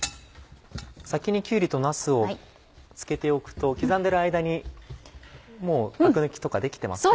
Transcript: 先にきゅうりとなすをつけておくと刻んでる間にもうアク抜きとかできてますね。